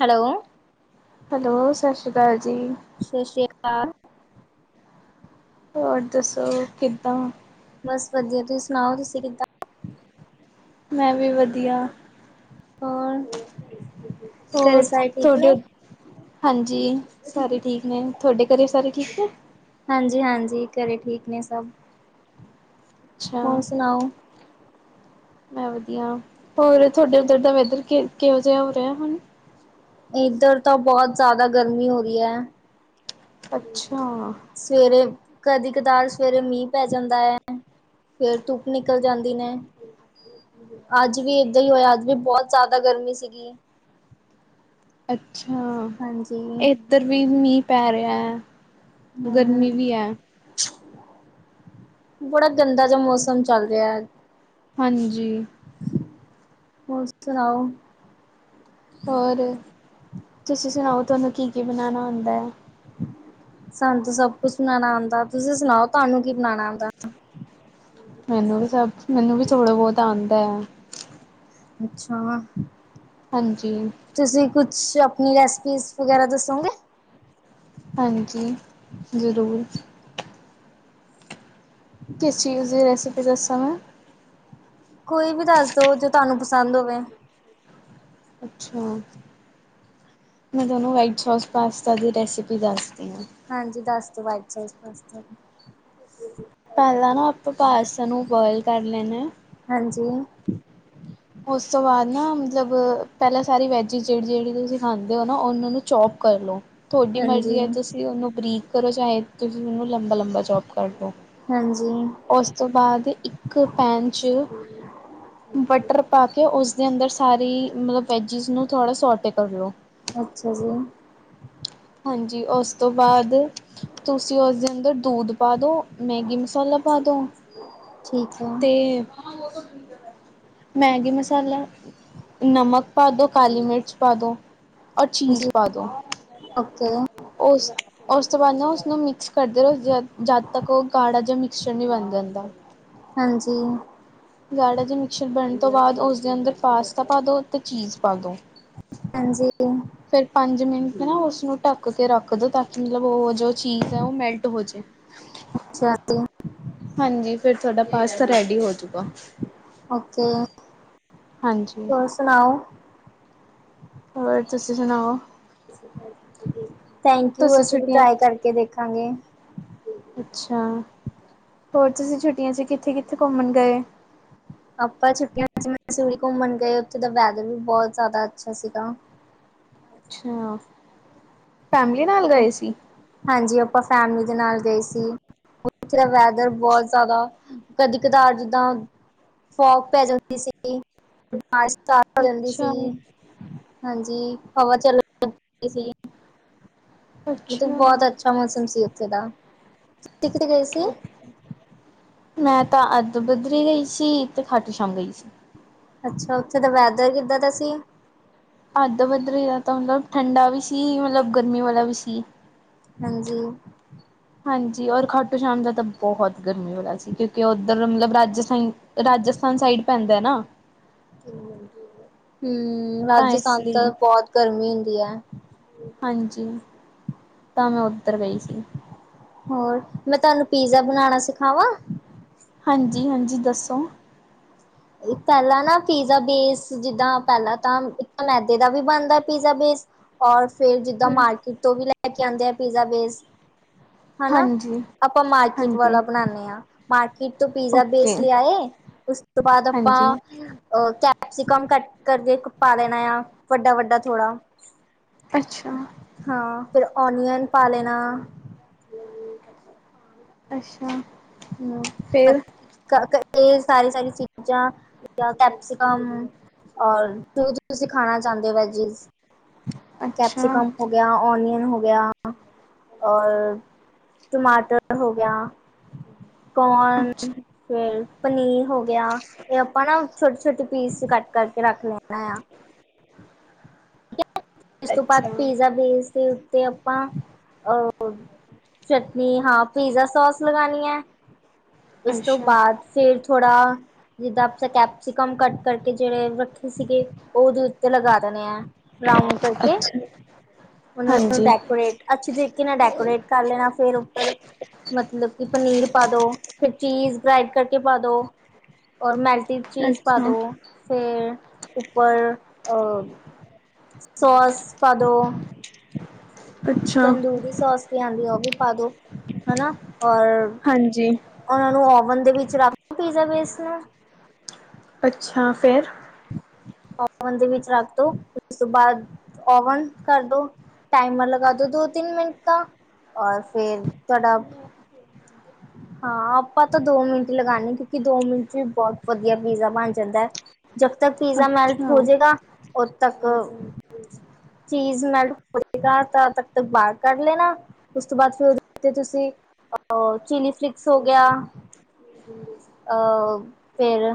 Hello. Hello, ਸਸ ਸ਼੍ਰੀ ਕਾਲ ਜੀ। ਸਸ ਸ਼੍ਰੀ ਕਾਲ। ਹੋਰ ਦੱਸੋ ਕਿੱਦਾਂ? ਬਸ ਵਧੀਆ, ਤੁਸੀਂ ਸੁਣਾਓ ਤੁਸੀਂ ਕਿੱਦਾਂ? ਮੈਂ ਵੀ ਵਧੀਆ ਹੋਰ ਘਰੇ ਹੋਰ ਸਾਰੇ ਠੀਕ ਨੇ ਤੁਹਾਡੇ -ਹਾਂਜੀ ਸਾਰੇ ਠੀਕ ਨੇ, ਥੋਡੇ ਘਰੇ ਸਾਰੇ ਠੀਕ ਨੇ? ਹਾਂਜੀ ਹਾਂਜੀ, ਘਰੇ ਠੀਕ ਨੇ ਸਭ। ਅੱਛਾ ਹੋਰ ਸੁਣਾੳ ਮੈਂ ਵਧੀਆ, ਹੋਰ ਤੁਹਾਡੇ ਉਧਰ ਦਾ ਵੈਦਰ ਕਿਹੋ ਜਿਹਾ ਹੋ ਰਿਹਾ ਹੁਣ ਏਧਰ ਤਾਂ ਬੋਤ ਜਾਦਾ ਗਰਮੀ ਹੋ ਰੀ ਐ। ਅੱਛਾ ਸਵੇਰੇ ਕਦੀ ਕਦਾਰ ਸਵੇਰੇ ਮੀਂਹ ਪੈ ਜਾਂਦਾ ਐ। ਫੇਰ ਧੁੱਪ ਨਿਕਲ ਜਾਂਦੀ ਨੇ। ਅੱਜ ਵੀ ਏਦਾਂ ਈ ਹੋਇਆ, ਅੱਜ ਵੀ ਬੋਤ ਜਾਦਾ ਗਰਮੀ ਸੀਗੀ। ਅੱਛਾ! ਹਾਂਜੀ ਇੱਧਰ ਵੀ ਮੀਂਹ ਪੈ ਰਿਹਾ ਹੈ। ਗਰਮੀ ਹਮ ਵੀ ਐ। ਬੜਾ ਗੰਦਾ ਜਿਹਾ ਮੌਸਮ ਚੱਲ ਰਿਹਾ ਹਾਂਜੀ। ਹੋਰ ਸੁਣਾਓ? ਹੋਰ ਤੁਸੀਂ ਸੁਣਾਓ ਤੁਹਾਨੂੰ ਕੀ ਕੀ ਬਣਾਉਣਾ ਹੁੰਦਾ ਹੈ? ਸਾਨੂੰ ਤਾਂ ਸਭ ਕੁੱਛ ਬਣਾਣਾ ਆਂਦਾ ਤੁਸੀਂ ਸੁਣਾਓ ਤੁਹਾਨੂੰ ਕੀ ਬਣਾਣਾ ਆਂਦਾ? ਮੈਨੂੰ ਵੀ ਸਭ ਮੈਨੂੰ ਵੀ ਥੋੜਾ ਬੋਤ ਆਂਦਾ। ਅੱਛਾ। ਹਾਂਜੀ। ਤੁਸੀਂ ਕੁਛ ਆਪਣੀ ਰੈਸਪੀਜ਼ ਵਗੈਰਾ ਦੱਸੋਗੇ! ਹਾਂਜੀ ਜ਼ਰੂਰ। ਕਿਸ ਚੀਜ਼ ਦੀ ਰੈਸ? ਕੇੜਾ ਸਮਾਂ? ਕੋਈ ਵੀ ਦੱਸ ਦੋ ਜੋ ਤੁਹਾਨੂੰ ਪਸੰਦ ਹੋਵੇ। ਅੱਛਾ। ਮੈਂ ਤੁਹਾਨੂੰ ਵਾਈਟ ਸੋਸ ਪਾਸਤਾ ਦੀ ਰੈਸਿਪੀ ਦੱਸਦੀ ਹਾਂ। ਹਾਂਜੀ ਦੱਸ ਦਿਓ ਵਾਈਟ ਸੋਸ ਪਾਸਤਾ। ਪੈਲਾਂ ਨਾ ਆਪਾ ਪਾਸਤਾ ਨੂੰ ਬੋਇਲ ਕਰ ਲੈਂਨਾ। ਹਾਂਜੀ। ਉਸ ਤੋਂ ਬਾਅਦ ਨਾ ਮਤਲਬ ਪਹਿਲਾਂ ਸਾਰੀ ਵੈਜ ਜਿਹੜੀ ਜਿਹੜੀ ਤੁਸੀਂ ਖਾਂਦੇ ਹੋ ਨਾ ਉਹਨਾਂ ਨੂੰ ਚੌਪ ਕਰ ਲਉ। ਥੋੜੀ ਮਰਜ਼ੀ ਹਾਂਜੀ। ਐ ਤੁਸੀਂ ਓਨੂੰ ਬਰੀਕ ਕਰੋ ਚਾਹੇ ਤੁਸੀਂ ਓਨੂੰ ਲੰਬਾ ਲੰਬਾ ਚੋਪ ਕਰਲੋ। ਹਾਂਜੀ, ਓਸ ਤੋਂ ਬਾਦ ਇੱਕ ਪੈਨ ਚ ਬਟਰ ਪਾ ਉਸਦੇ ਅੰਦਰ ਸਾਰੀ ਮਤਲਬ ਵੈਜਿਸ ਨੂੰ ਥੋੜ੍ਹਾ ਸੋਟੇ ਕਰ ਲਓ। ਅੱਛਾ ਜੀ। ਹਾਂਜੀ ਉਸ ਤੋਂ ਬਾਅਦ ਤੁਸੀਂ ਉਸਦੇ ਅੰਦਰ ਦੂਧ ਪਾ ਦਿਉ। ਮੈਗੀ ਮਸਾਲਾ ਪਾ ਦੋ ਠੀਕ ਤੇ ਹੈ ਮੈਗੀ ਮਸਾਲਾ। ਨਮਕ ਪਾ ਦਿਉ ਕਾਲੀ ਮਿਰਚ ਪਾ ਦਿਉ ਔਰ ਚੀਜ਼ ਜੀ ਪਾ ਦਿਉ। ਓਕੇ। ਉਸ ਉਸ ਤੋਂ ਬਾਅਦ ਨਾ ਉਸਨੂੰ ਮਿਕਸ ਕਰਦੇ ਰਹੋ ਜ ਜਦ ਤੱਕ ਉਹ ਗਾੜਾ ਜਿਹਾ ਮਿਕਸਚਰ ਨਹੀਂ ਬਣ ਜਾਂਦਾ। ਹਾਂਜੀ। ਗਾੜਾ ਜ ਮਿਕਸਰ ਬਣਨ ਤੋਂ ਬਾਦ ਉਸਦੇ ਅੰਦਰ ਪਾਸਤਾ ਪਾ ਦੋ ਤੇ ਚੀਜ਼ ਪਾ ਦੋ। ਹਾਂਜੀ। ਫੇਰ ਪੰਜ ਮਿੰਟ ਨਾ ਉਸਨੂੰ ਢੱਕ ਕੇ ਰੱਖ ਦੋ ਤਾਂ ਕਿ ਮਤਲਬ ਓ ਹੋਜੇ। ਚੀਜ਼ ਐ ਓ ਮੈਲਟ ਹੋਜੇ। ਅੱਛਾ ਤੇ। ਹਾਂਜੀ ਫਿਰ ਤੁਹਾਡਾ ਪਾਸਤਾ ਰੈਡੀ ਹੋਜੂਗਾ। ਓਕੇ ਹਾਂਜੀ। ਹੋਰ ਸੁਣਾਓ। ਹੋਰ ਤੁਸੀਂ ਸੁਣਾਓ। ਥੈਂਕ ਯੂ ਤੁਸੀਂ ਅਸੀਂ ਵੀ ਛੁੱਟੀਆਂ ਟਰਾਈ ਕਰਕੇ ਦੇਖਾਂਗੇ। ਅੱਛਾ ਹੋਰ ਤੁਸੀਂ ਛੁੱਟੀਆਂ ਚ ਕਿੱਥੇ ਕਿੱਥੇ ਘੁੰਮਣ ਗਏ। ਆਪਾਂ ਛੁੱਟੀਆਂ ਚ ਮੰਸੁਰੀ ਘੁੰਮਣ ਗਏ ਓਥੇ ਦਾ ਵੇਦਰ ਵੀ ਬਹੁਤ ਜ਼ਿਆਦਾ ਅੱਛਾ ਸੀਗਾ। ਅੱਛਾ, ਫੈਮਲੀ ਨਾਲ ਗਏ ਸੀ। ਹਾਂਜੀ ਆਪਾਂ ਫੈਮਿਲੀ ਦੇ ਨਾਲ ਗਏ ਸੀ ਓਥੇ ਦਾ ਵੇਦਰ ਬਹੁਤ ਜ਼ਿਆਦਾ ਕਦੀ ਕਦਾਰ ਜਿੱਦਾਂ ਫੋਕ ਪੈ ਜਾਂਦੀ ਸੀ ਮਾਰ ਸ ਹੋ ਜਾਂਦੀ ਸੀ। ਅੱਛਾ ਹਾਂਜੀ ਹਵਾ ਚੱਲਣ ਲੱਗੀ ਸੀ। ਮਤਲਬ ਅੱਛਾ ਬਹੁਤ ਅੱਛਾ ਮੌਸਮ ਸੀ ਉੱਥੇ ਦਾ ਕਿਤੇ ਗਏ ਸੀ? ਮੈਂ ਤਾਂ ਅੱਧ ਬੱਧਰੀ ਗਈ ਸੀ ਤੇ ਖਾਟੂ ਸ਼ਾਮ ਗਈ ਸੀ। ਅੱਛਾ ਉੱਥੇ ਦਾ ਵੈਦਰ ਕਿੱਦਾਂ ਦਾ ਸੀ। ਅੱਧ ਪੱਧ ਰ ਦਾ ਤਾਂ ਮਤਲਬ ਠੰਡਾ ਵੀ ਸੀ ਮਤਲਬ ਗਰਮੀ ਵਾਲਾ ਵੀ ਸੀ। ਹਾਂਜੀ। ਹਾਂਜੀ, ਔਰ ਖੱਟੋ ਸ਼ਾਮ ਦਾ ਤਾਂ ਬਹੁਤ ਗਰਮੀ ਹੋਣਾ ਸੀ, ਕਿਉਂਕਿ ਉੱਧਰ ਮਤਲਬ ਰਾਜਸਥਾਨ। ਰਾਜਸਥਾਨ ਸਾਈਡ ਪੈਂਦਾ ਨਾ। ਹੂੰ, ਤਾਂ ਇਸ ਰਾਜਸਥਾਨ ਲਈ ਤਾਂ ਬਹੁਤ ਗਰਮੀ ਹੁੰਦੀ ਹੈ। ਹਾਂਜੀ, ਤਾਂ ਮੈਂ ਉੱਧਰ ਗਈ ਸੀ। ਹੋਰ, ਮੈਂ ਤੁਹਾਨੂੰ ਪੀਜ਼ਾ ਬਣਾਉਣਾ ਸਿਖਾਵਾਂ। ਹਾਂਜੀ- ਹਾਂਜੀ ਦੱਸੋ। ਪਹਿਲਾਂ ਨਾ ਪੀਜ਼ਾ ਬੇਸ, ਜਿੱਦਾਂ ਪਹਿਲਾਂ ਤਾਂ ਮੈਦੇ ਦਾ ਵੀ ਬਣਦਾ ਪੀਜ਼ਾ ਬੇਸ। ਔਰ ਫੇਰ ਜਿੱਦਾਂ ਮਾਰਕੀਟ ਤੋਂ ਵੀ, ਲੈ ਕੇ ਆਉਂਦੇ ਆ, ਪੀਜ਼ਾ ਬੇਸ। ਹਨਾ, ਹਾਂਜੀ, ਆਪਾਂ ਮਾਰਕੀਟ ਹਾਂਜੀ ਵਾਲਾ ਬਣਾਦੇ ਹਾਂ। ਮਾਰਕੀਟ ਤੋਂ ਪੀਜ਼ਾ ਓਕੇ ਬੇਸ ਲਿਆਏ। ਤੋ ਬਾਦ ਅਪਾ ਹਾਂਜੀ ਅ ਕੈਪਸੀਕਮ ਕੱਟ ਕਰਕੇ ਪਾ ਲੈਣਾ ਆ ਵੱਡਾ- ਵੱਡਾ ਥੋੜ। ਅੱਛਾ। ਹਾਂ ਫੇਰ ਓਨੀਅਨ ਪਾ ਲੈਣਾ। ਅੱਛਾ। ਹੂੰ। ਇਹ ਫੇਰ ਕ ਸਾਰੀ- ਸਾਰੀ ਚੀਜ਼ਾਂ ਕੈਪਸੀਿਕਮ। ਔਰ ਜੋ-ਜੋ ਤੁਸੀਂ ਖਾਣਾ ਚਾਹੁੰਦੇ ਹੋ ਵੈਜੀਸ ਅੱਛਾ, ਕੈਪਸੀਕਮ ਹੋ, ਗਿਆ, ਓਨੀਅਨ ਹੋ ਗਿਆ, ਔਰ ਟਮਾਟਰ ਹੋ ਗਿਆ। ਕੋਨ ਅੱਛਾ ਫੇਰ ਪਨੀਰ ਹੋ ਗਿਆ। ਏ ਆਪਾਂ ਨਾ ਛੋਟੀ- ਛੋਟੀ ਪੀਸ ਕੱਟ ਕਰਕੇ ਰੱਖ ਲੈਣਾ ਆ। ਇਸ ਤੋਂ ਬਾਅਦ ਅੱਛਾ, ਪੀਜ਼ਾ ਬੇਸਦੇ। ਤੇ ਆਪਾਂ ਅਹ ਚਟਨੀ ਹਾਂ, ਪੀਜ਼ਾ ਸੋਸ ਲਗਉਣੀ ਹੈ। ਉਸ ਤੋਂ ਅੱਛਾ, ਬਾਦ ਫੇਰ ਥੋੜਾ। ਜਿੱਦਾਂ ਆਪ ਕੈਪਸੀਕਮ ਕੱਟ ਕਰਕੇ ਜਿਹਵੇ ਰੱਖੀ ਸੀਗੇ, ਉਹ ਉਹਦੇ ਉੱਤੇ ਲਗਾ ਦੇਣੇ ਆ। ਰਾਊਂਡ ਕਰਕੇ, ਅੱਛਾ ਉਹਨਾਂ ਨੂੰ ਹਾਂਜੀ ਡੈਕੋਰੇਟ। ਅੱਛੀ ਤਰੀਕੇ ਨਾਲ, ਡੈਕੋਰੇਟ ਕਰ ਲੈਣਾ ਫੇਰ ਉੱਪਰ। ਮਤਲਬ ਕਿ ਪਨੀਰ ਪਾ ਦੋ, ਫੇਰ ਚੀਜ਼ ਗ੍ਰਾਇੰਡ ਕਰਕੇ ਪਾ ਦੋ। ਔਰ ਮੈਲਟੀਵ ਚੀਜ਼ ਪਾ ਅੱਛਾ, ਦਿਉ। ਫੇਰ ਉੱਪਰ- ਸੋਸ ਪਾਦੋ। [inaudible] ਅੱਛਾ ਤੰਦੂਰੀ ਸੋਸ ਵੀ ਆਂਦੀ ਆ, ਉਹ ਵੀ ਪਾ ਦੋ ਹਨਾ। ਔਰ ਹਾਂਜੀ ਉਹ ਨੂੰ ਓਵਨ ਦੇ ਵਿੱਚ ਰੱਖ ਪੀਜ਼ਾ ਵੇਸਟ ਨੂੰ। ਅੱਛਾ, ਫੇਰ। ਓਵਨ ਦੇ ਵਿੱਚ ਰੱਖ ਦੋ, ਉਸ ਤੋਂ ਬਾਅਦ ਓਵਨ ਕਰਦੋ, ਟਾਈਮਰ ਲਗਾ ਦੋ। ਦੋ, ਤਿੰਨ ਮਿੰਟ ਦਾ। ਔਰ ਫੇਰ ਤੁਹਾਡਾ [inaudible] ਹਾਂ ਆਪਾਂ ਤਾਂ ਦੋ ਮਿੰਟ ਈ ਲਗਾਣੇ। ਕਿਉਂਕਿ ਦੋ ਮਿੰਟ ਚ ਵੀ ਬਹੁਤ ਵਧੀਆ ਪੀਜ਼ਾ ਬਣ ਜਾਂਦਾ ਐ। ਜਬ ਤੱਕ ਪੀਜ਼ਾ ਮੈਲਟ ਅੱਛਾ ਹੋ ਜਏਗਾ ਉਦ ਤੱਕ। ਚੀਜ਼ ਮੈਲਟ ਹੋ ਜਾਗਾ ਤਾਂ ਤ ਤ ਬਾਹਰ ਕੱਢ ਲੈਣਾ। ਉਸ ਤੋਂ ਬਾਅਦ ਫੇਰ ਉਹਦੇ ਉਤੇ ਤੁਸੀਂ, ਅਹ ਚਿਲੀ ਫਲਿਕਸ ਹੋ ਗਿਆ। ਅਹ ਫੇਰ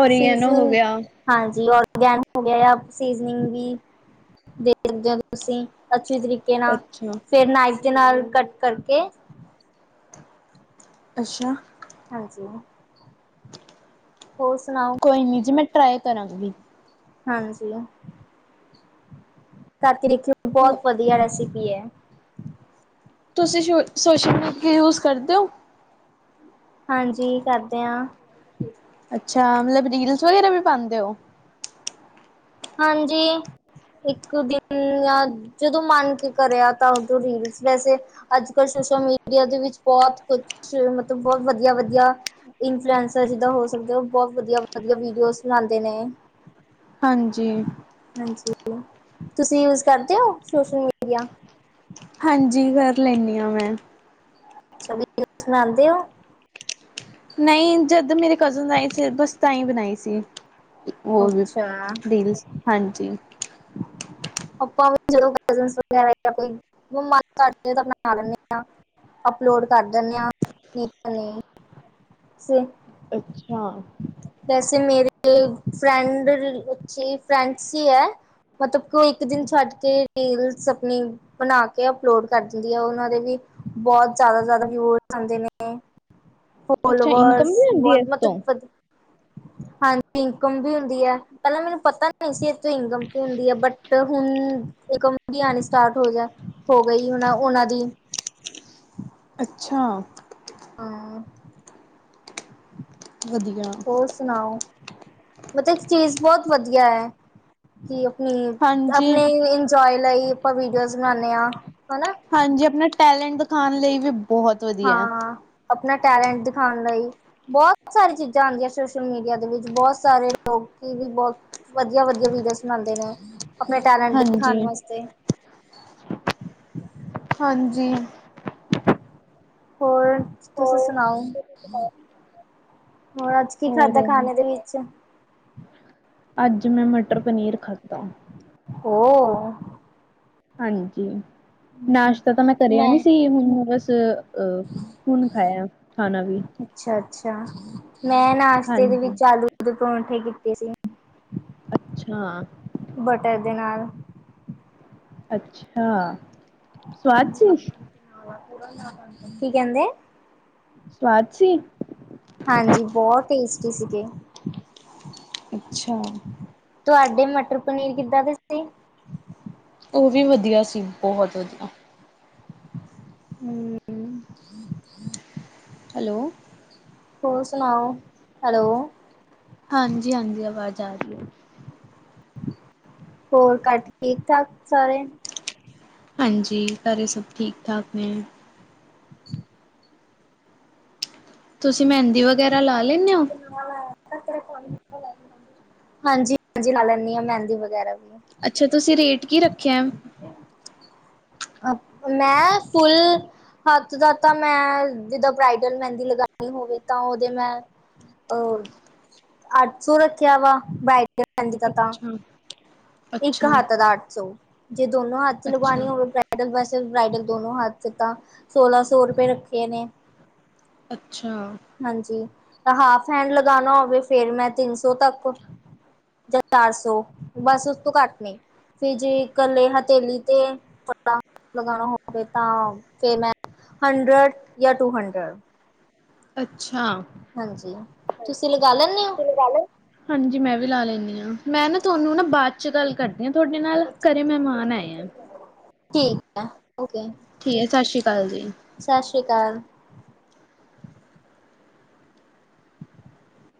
ਓਰੀਗੈਨੋ ਹੋ ਸੀਜ਼- ਗਿਆ ਹਾਂਜੀ, ਆਰਗੈਨਿਕ ਹੋ ਗਿਆ। ਯਾ ਸੀਜ਼ਨਿੰਗ ਵੀ। ਦੇਖਦੇ ਓ ਤੁਸੀਂ ਅੱਛੀ ਤਰੀਕੇ ਨਾਲ ਅੱਛਾ, ਫੇਰ ਨਾਈਫ ਦੇ ਨਾਲ ਕੱਟ ਕਰ ਕੇ। ਅੱਛਾ। ਹਾਂਜੀ। ਹੋਰ ਸੁਣਾਓ? ਕੋਈ ਨੀ ਜੀ, ਮੈਂ ਟਰਾਈ ਕਰਾਂਗੀ। ਹਾਂਜੀ। ਕਰਕੇ ਦੇਖਿਓ, ਬਹੁਤ ਵਧੀਆ ਰੈਸਿਪੀ ਹੈ। ਤੁਸੀਂ ਸ਼ੋ ਸੋਸ਼ਲ ਮੀਡੀਆ ਯੂਜ ਕਰਦੇ ਹੋ? ਹਾਂਜੀ, ਕਰਦੇ ਹਾਂ। ਅੱਛਾ, ਮਤਲਬ ਰੀਲਸ ਵਗੈਰਾ ਵੀ ਪਾਉਂਦੇ ਹੋ? ਹਾਂਜੀ, ਇੱਕ ਦਿਨ ਜਦੋਂ ਮਨ ਕੀ ਕਰਿਆ ਤਾਂ ਉਦੋਂ ਰੀਲਸ ਵੈਸੇ ਅੱਜ ਕੱਲ੍ਹ ਸੋਸ਼ਲ ਮੀਡੀਆ ਦੇ ਵਿੱਚ ਬਹੁਤ ਕੁਛ ਮਤਲਬ ਬਹੁਤ ਵਧੀਆ, ਵਧੀਆ- ਇਨਫਲੂਐਂਸਰ ਜਿਦਾ ਹੋ ਸਕਦਾ ਐ ਉਹ ਬਹੁਤ ਵਧੀਆ ਵਧੀਆ ਵੀਡੀਓਜ਼ ਬਣਾਂਦੇ ਨੇ ਹਾਂਜੀ। ਹਾਂਜੀ, ਤੁਸੀਂ ਯੂਜ ਕਰਦੇ ਹੋ ਸੋਸ਼ਲ ਮੀਡੀਆ? ਹਾਂਜੀ, ਕਰ ਲੈਂਦੀ ਹਾਂ ਮੈਂ ਅੱਛਾ, ਵੀਡੀਓਜ਼ ਬਣਾਉਂਦੇ ਓ? ਨਹੀਂ ਜਦ ਮੇਰੇ ਕਜ਼ਨ ਆਏ ਸੀ, ਬਸ ਤਾਂ ਹੀ ਬਣਾਈ ਸੀ। ਹੋਰ ਵੀ ਅੱਛਾ ਰੀਲਸ, ਹਾਂਜੀ ਆਪਾਂ ਵੀ ਜਦੋਂ ਆ ਜਾਂਦਾ ਕੋਈ [unintelligible] ਬਣਾ ਲੈਂਦੇ ਹਾਂ ਅਪਲੋਡ ਕਰ ਦਨ ਹਾ ਅੱਛਾ। ਜੈਸੇ ਮੇਰੇ ਫਰੈਂਡ ਵਿਚ, ਫਰੈਂਡਸ ਹੀ ਹੈ ਮਤਲਬ- ਕਿ ਇੱਕ ਦਿਨ ਛੱਡ ਕੇ ਰੀਲ ਬਸ ਅਪਨੀ ਬਣਾ ਕੇ ਅਪਲੋਡ ਕਰ ਦਿੰਦੀ ਹੈ ਉਹਨਾਂ ਦੇ ਵੀ ਬਹੁਤ ਜ਼ਿਆਦਾ, ਜ਼ਿਆਦਾ ਵਿਊ ਹੋ ਜਾਂਦੇ ਨੇ ਅੱਛਾ ਇਨਕਮ ਫੋਲੋਵਰਸ ਵੀ ਆਉਂਦੀ ਬਹੁਤ, ਹੈ ਇਸ ਤੋਂ ਮਤਲਬ ਹਾਂਜੀ ਇਨਕਮ ਵੀ ਹੁੰਦੀ ਹੈ, ਪਹਿਲਾਂ ਮੈਨੂੰ ਪਤਾ ਨਹੀਂ ਸੀ ਏਤੋਂ ਇਨਕਮ ਵੀ ਹੁੰਦੀ ਹੈ ਬਟ ਤੇ ਹੁਣ ਇਨਕਮ ਵੀ ਆਣੀ ਸਟਾਰਟ ਹੋ ਜਾ ਹੋ ਗਈ ਓਨਾ, ਓਨਾ ਦੀ ਅੱਛਾ! ਹੂ, ਵਧੀਆ। ਸੁਣਾਓ, ਮਤਲਬ ਇੱਕ ਚੀਜ਼ ਬਹੁਤ ਵਧੀਆ ਹੈ, ਕਿ ਆਪਣੀ ਹਾਂਜੀ ਆਪਣੇ ਇੰਜੋਏ ਲਈ ਆਪਾਂ ਵੀਡੀਓਜ਼ ਬਣਾਉਦੇ ਹਾਂ, ਹਨਾ ਹਾਂਜੀ, ਆਪਣਾ ਟੈਲੈਂਟ ਦਿਖਾਣ ਲਈ ਵੀ ਬਹੁਤ ਵਧੀਆ ਹੈ ਹਾਂ, ਆਪਣਾ ਟੈਲੈਂਟ ਦਿਖਾਉਣ ਲਈ ਬਹੁਤ ਸਾਰੀ ਚੀਜ਼ਾਂ ਆਉਂਦੀਆਂ ਸੋਸ਼ਲ ਮੀਡੀਆ ਦੇ ਵਿੱਚ, ਬਹੁਤ ਸਾਰੇ ਲੋਕ ਵੀ ਬਹੁਤ ਵਧੀਆ ਵਧੀਆ ਵੀਡੀਓ ਬਣਾੳਂਦੇ ਨੇ ਆਪਣੇ ਟੈਲੈਂਟ ਹਾਂਜੀ ਦਿਖਾਣ ਵਾਸਤੇ ਹਾਂਜੀ ਹੋਰ, ਤੁਸੀ ਹੋਰ ਸਨਾਓ ਹੋਰ ਅੱਜ ਕੀ ਖਾਧਾ ਖਾਣੇ ਦੇ ਵਿੱਚ ਅੱਜ ਮੈਂ ਮਟਰ ਪਨੀਰ ਖਾਧਾ। ਹੋ ਹਾਂਜੀ ਨਾਸ਼ਤਾ ਤਾਂ ਮੈਂ ਕਰਿਆ ਨੀ ਸੀ ਹੁਣ ਬਸ ਅ ਹੁਣ ਖਾਇਆ ਖਾਣਾ ਵੀ ਅੱਛਾ ਅੱਛਾ ਮੈਂ ਨਾਸ਼ਤੇ ਦੇ ਹਾਂਜੀ ਵਿੱਚ ਆਲੂ ਦੇ ਪਰੋਂਠੇ ਕੀਤੇ ਸੀ ਅੱਛਾ! ਬਟਰ ਦੇ ਨਾਲ। ਅੱਛਾ! ਸਵਾਦ ਸੀ ਕੀ ਕਹਿੰਦੇ ਸਵਾਦ ਸੀ? ਹਾਂਜੀ, ਬਹੁਤ ਟੇਸਟੀ ਸੀਗੇ ਅੱਛਾ ਤੁਹਾਡੇ ਮਟਰ ਪਨੀਰ ਕਿੱਦਾਂ ਦੇ ਸੀ ਉਹ ਵੀ ਵਧੀਆ ਸੀ ਬਹੁਤ ਵਧੀਆ ਹਮ ਹਮ ਹੈਲੋ। ਹੋਰ ਸੁਣਾਓ ਹੈਲੋ ਹਾਂਜੀ, ਹਾਂਜੀ ਆਵਾਜ਼ ਆ ਰਹੀ ਏ ਹੋਰ [inaudible] ਘਰ ਠੀਕ ਠਾਕ ਸਾਰੇ? ਹਾਂਜੀ, ਘਰੇ ਸਭ ਠੀਕ-ਠਾਕ ਨੇ ਤੁਸੀਂ ਮਹਿੰਦੀ ਵਗੈਰਾ ਲਾ ਲੈਂਣੇ ਹੋ? ਹਾਂਜੀ ਹਾਂਜੀ ਲਾ ਲੈਂਦੀ ਆ ਮੈਂਦੀ ਵਗੈਰਾ ਅੱਛਾ, ਤੁਸੀਂ ਰੇਟ ਕੀ ਰੱਖਿਆ? ਮੈਂ ਫੁੱਲ ਹੱਥ ਦਾ ਤਾਂ ਮੈਂ ਜਿਦਾਂ ਬਰਾਈਡਲ ਮਹਿੰਦੀ ਲਗਾਣੀ ਹੋਵੇ ਤਾਂ ਉਹਦੇ ਮੈਂ, ਅ ਅੱਠ ਸੌ ਰੱਖਿਆ ਵਾ ਬਦੀ ਕ ਤਾਂ ਅੱਛਾ ਇੱਕ ਅੱਛਾ ਹੱਥ ਦਾ ਅੱਠ ਸੌ, ਜੇ ਦੋਨੋ ਹੱਥ ਲਗਵਾਣੇ ਅੱਛਾ ਹੋਵੇ ਬਰ ਬ੍ਰਾਈਡਲ ਵੈਸੇ ਬ੍ਰਾਈਡਲ ਦੋਨੋ ਹੱਥ ਤਾਂ ਸੋਲਾਂ ਸੌ ਰੁਪਏ ਰੱਖੇ ਨੇ। ਅੱਛਾ। ਹਾਂਜੀ, ਹਾਫ ਹੈਂਡ ਲਗਾਣਾ ਹੋਵੇ ਫੇਰ ਮੈਂ ਤਿੰਨ ਸੌ ਤੱਕ ਜਾਂ ਚਾਰ ਸੌ ਬਸ ਉਸ ਤੋਂ ਘੱਟ ਨੇ ਫ ਜੇ ਇਕੱਲੇ ਹਥੇਲੀ ਤੇ ਫਟਾਫਟ ਲਗਾਣਾ ਹੋਵੇ ਤਾਂ ਫਿਰ ਮੈਂ ਹੰਡਰਡ ਜਾਂ ਟੂ ਹੰਡਰਡ। ਅੱਛਾ। ਹਾਂਜੀ ਤੁਸੀਂ ਲਗਾ ਲੈਂਦੇ ਹੋ ਤੁਸੀਂ ਲਗਾ ਲਏ ਹਾਂਜੀ ਮੈਂ ਵੀ ਲਾ ਲੈਂਣੀ ਆ, ਮੈਂ ਨਾ ਤੁਹਾਨੂੰ ਨਾ ਬਾਦ ਚ ਚ ਗੱਲ ਕਰਦੀ ਹਾਂ ਤੁਹਾਡੇ ਨਾਲ ਘਰੇ ਮੈਮਾਨ ਆਏ ਆ ਠੀਕ ਓ ਓਕੇ ਠੀਕ ਹੈ ਸਤਿ ਸ਼੍ਰੀ ਅਕਾਲ ਜੀ ਸਛੀ ਕਾਲ। [inaudible]